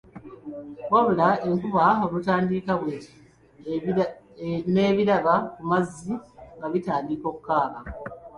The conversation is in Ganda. Wabula, enkuba olutandika bw’eti ne biraba ku mazzi nga bitandika okukaaba.